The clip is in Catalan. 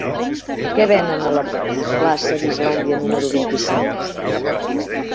Què venen a la plaça d'Islàndia número vint-i-cinc?